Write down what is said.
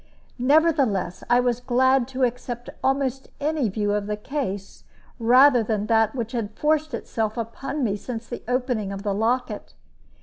Nevertheless, I was glad to accept almost any view of the case rather than that which had forced itself upon me since the opening of the locket.